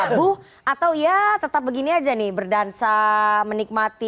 sabu atau ya tetap begini aja nih berdansa menikmati